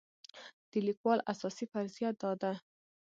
د لیکوال اساسي فرضیه دا ده.